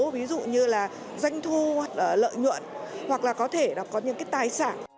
ví dụ như là doanh thu hoặc là lợi nhuận hoặc là có thể có những cái tài sản